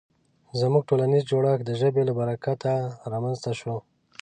زموږ ټولنیز جوړښت د ژبې له برکته رامنځ ته شو.